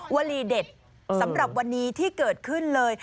วลีเด็ดสำหรับวันนี้ที่เกิดขึ้นเลย